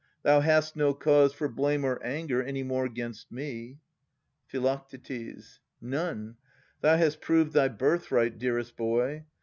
Thou hast no cause For blame or anger any more 'gainst me. Phi. None. Thou hast proved thy birthright, dearest boy.